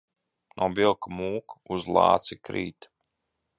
No vilka mūk, uz lāci krīt.